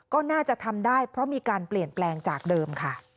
ก็น่าจะทำได้เพราะมีการเปลี่ยนแปลงจากเดิมค่ะ